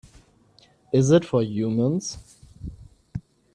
Is it for humans?